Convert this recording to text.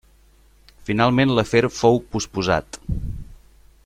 Finalment l'afer fou posposat.